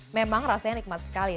memang rasanya nikmat sekali